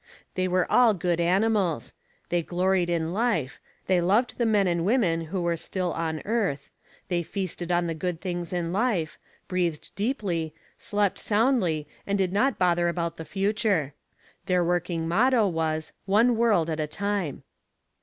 They were all good animals: they gloried in life; they loved the men and women who were still on earth; they feasted on the good things in life; breathed deeply; slept soundly and did not bother about the future. Their working motto was, "One world at a time."